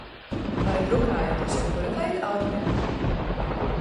Vai drukājat uz jebkura veida audumiem?